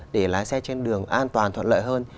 để lái xe trên đường an toàn thuận lợi hơn